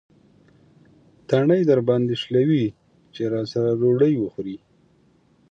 تڼۍ درباندې شلوي چې راسره ډوډۍ وخورې.